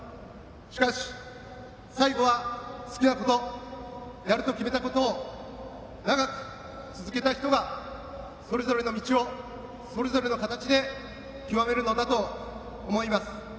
しかし、最後は好きなこと、やると決めたことを長く続けた人がそれぞれの道を、それぞれの形で極めるのだと思います。